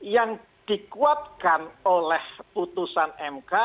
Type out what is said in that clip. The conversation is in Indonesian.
yang dikuatkan oleh putusan mk